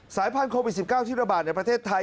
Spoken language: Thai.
พันธ์โควิด๑๙ที่ระบาดในประเทศไทย